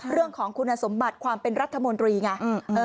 เรื่องของคุณสมบัติความเป็นรัฐมนตรีไง